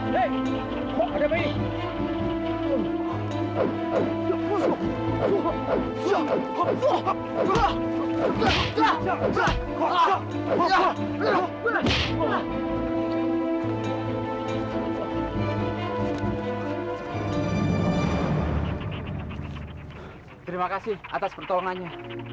terima kasih atas pertolongannya